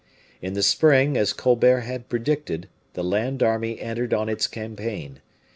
In the spring, as Colbert had predicted, the land army entered on its campaign.